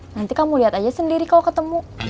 nanti kamu liat aja sendiri kalo ketemu